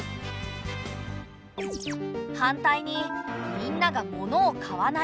反対にみんなが物を買わない。